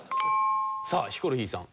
さあヒコロヒーさん。